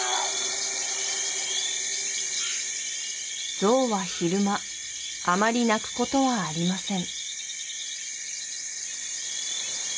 ゾウは昼間あまり鳴くことはありません